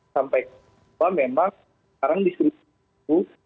sampai sekarang memang sekarang di situ